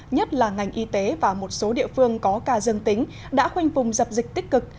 nhất là ngành y tế và một số địa phương có ca dân tính đã khoanh vùng dập dịch tích cực